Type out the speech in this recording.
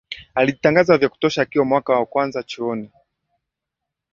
alijitangaza vya kutosha akiwa mwaka wa kwanza chuoni